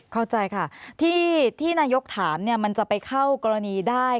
เข้าใจค่ะที่นายกถามมันจะไปเข้ากรณีได้